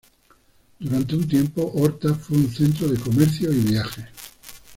Durante un tiempo, Horta fue un centro de comercio y viajes.